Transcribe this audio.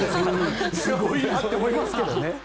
すごいなって思いますけどね。